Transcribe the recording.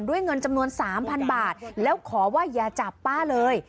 ด้วยเงินจำนวน๓พันบาทและขอว่าอย่าจับป้าเลย